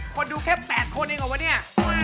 คนดูแค่แปดคนเองอ่ะวะเนี่ย